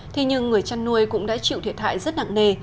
thế nhưng người chăn nuôi cũng đã chịu thiệt hại rất nặng nề